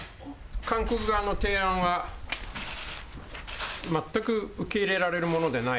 韓国側の提案は、全く受け入れられるものでない。